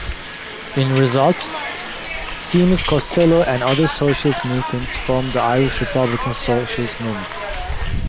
In result, Seamus Costello and other socialist militants formed the Irish Republican Socialist Movement.